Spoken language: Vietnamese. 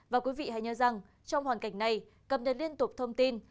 và quý vị hãy nhớ rằng trong hoàn cảnh này cập nhật liên tục thông tin